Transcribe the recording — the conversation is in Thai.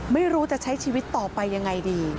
ไม่รู้จะใช้ชีวิตต่อไปยังไงดี